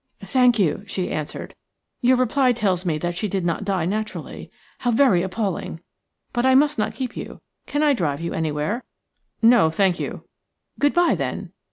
"Thank you," she answered; "your reply tells me that she did not die naturally. How very appalling! But I must not keep you. Can I drive you anywhere?" "No, thank you." "Good bye, then."